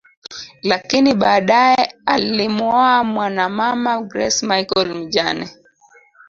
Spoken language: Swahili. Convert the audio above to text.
Lakini badae alimuoa mwanamama Graca Michael mjane